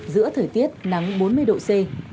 giữa thời tiết nắng bốn mươi độ c